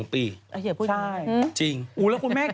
ก็ไปทุกที่ดู